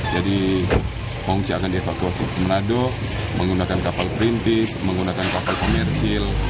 jadi pengungsi akan dievakuasi ke manado menggunakan kapal perintis menggunakan kapal komersil